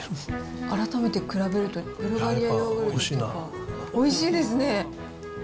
改めて比べると、ブルガリアヨーグルト、おいしいですね。